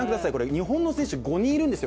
日本の選手５人いるんですよ